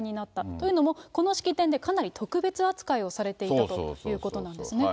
というのも、この式典でかなり特別扱いをされていたということなんですね。